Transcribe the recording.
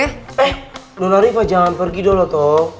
eh dona riva jangan pergi dulu toh